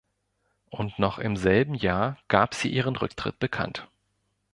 Und noch im selben Jahr gab sie ihren Rücktritt bekannt.